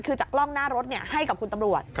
คือจากกล้องหน้ารถให้กับคุณตำรวจ